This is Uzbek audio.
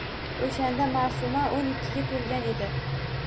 Oʼshanda Maʼsuma oʼn ikkiga toʼlgan edi.